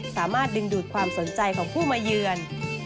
สามารถดึงดูดความสนใจของผู้มาเยือน